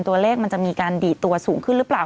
มันจะมีการดีดตัวสูงขึ้นหรือเปล่า